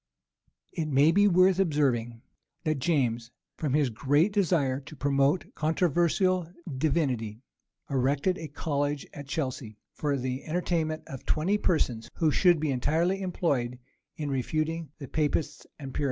It may be worth observing, that James, from his great desire to promote controversial divinity, erected a college at Chelsea for the entertainment of twenty persons, who should be entirely employed in refuting the Papists and Puritans.